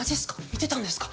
見てたんですか？